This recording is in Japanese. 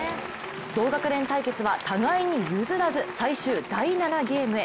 同学年対決は互いに譲らず、最終第７ゲームへ。